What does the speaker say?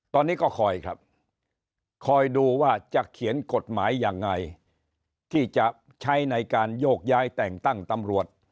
ตอนนี้ก็คอยครับคอยดูว่าจะเขียนกฎหมายยังไงที่จะใช้ในการโยกย้ายแต่งตั้งตำรวจ